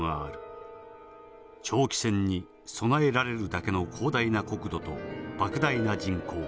長期戦に備えられるだけの広大な国土とばく大な人口。